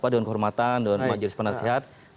doan kehormatan doan majelis pendatang